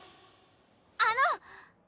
あの！